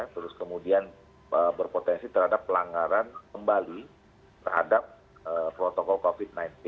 terus kemudian berpotensi terhadap pelanggaran kembali terhadap protokol covid sembilan belas